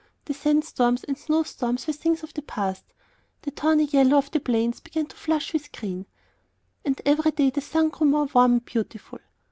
The sand storms and the snow storms were things of the past, the tawny yellow of the plains began to flush with green, and every day the sun grew more warm and beautiful.